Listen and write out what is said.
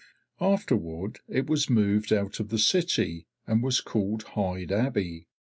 Afterward it was moved out of the city and was called Hyde Abbey.